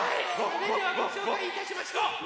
それではごしょうかいいたしましょう！